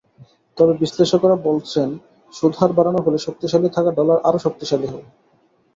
তবে বিশ্লেষকেরা বলছেন, সুদহার বাড়ানোর ফলে শক্তিশালী থাকা ডলার আরও শক্তিশালী হবে।